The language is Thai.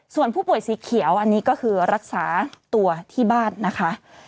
ส่วนผู้ป่วยสีเขียวอันนี้ก็คือรักษาตัวที่บ้านนะคะ